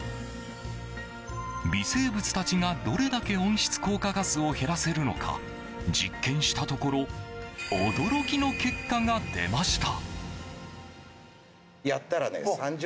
微生物たちが、どれだけ温室効果ガスを減らせるのか実験したところ驚きの結果が出ました。